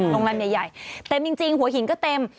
โรงแรมใหญ่เต็มจริงหัวหินก็เต็ม